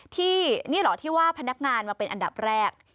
ที่นี่เหรอที่ว่าพนักงานมาเป็นอันดับแรก